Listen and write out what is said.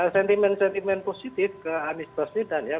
sentimen sentimen positif ke anies baswedan ya